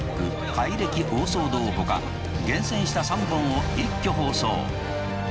改暦大騒動」ほか厳選した３本を一挙放送。